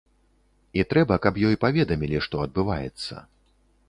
І трэба, каб ёй паведамілі, што адбываецца.